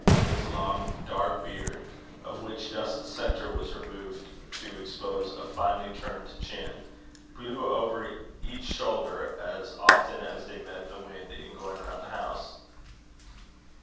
His long dark beard, of which just the centre was removed to expose a finely turned chin, blew over each shoulder as often as they met the wind in going round the house.